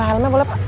halemnya boleh pak